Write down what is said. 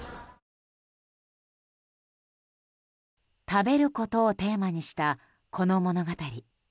食べることをテーマにしたこの物語。